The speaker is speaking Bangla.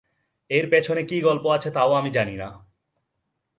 এর পেছনে কী গল্প আছে তাও আমি জানি না।